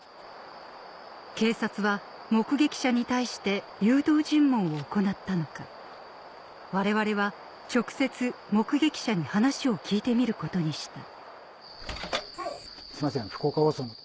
警察は目撃者に対して誘導尋問を行ったのか我々は直接目撃者に話を聞いてみることにした